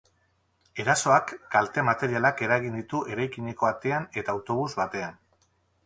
Erasoak kalte materialak eragin ditu eraikineko atean eta autobus batean.